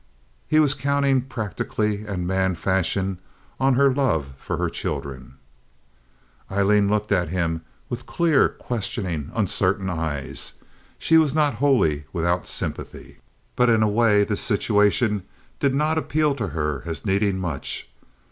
He was counting practically, and man fashion, on her love for her children. Aileen looked at him with clear, questioning, uncertain eyes. She was not wholly without sympathy, but in a way this situation did not appeal to her as needing much.